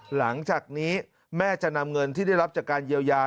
หลังจากนี้แม่จะนำเงินที่ได้รับจากการเยียวยา